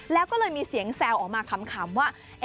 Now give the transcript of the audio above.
แล้วก็เลยมีเสียงแซวออกมาขำว่า